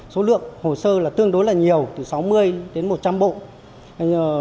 số lượng hồ sơ là tương đối là nhiều từ sáu mươi đến một trăm linh bộ